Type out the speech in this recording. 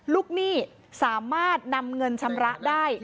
หนี้สามารถนำเงินชำระได้